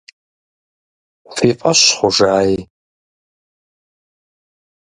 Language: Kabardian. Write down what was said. Фи фӀэщ хъужаи.